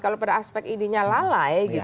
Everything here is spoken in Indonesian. kalau pada aspek ini nyalalai